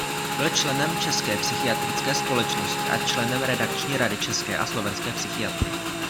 Byl členem České psychiatrické společnosti a členem redakční rady České a slovenské psychiatrie.